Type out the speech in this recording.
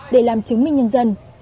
để làm chứng minh nhân dân